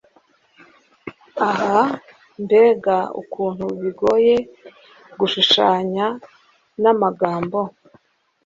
Ah mbega ukuntu bigoye gushushanya n'amagambo